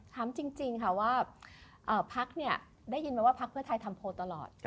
ถามจริงค่ะว่าพักเนี่ยได้ยินมาว่าพักเพื่อไทยทำโพลตลอด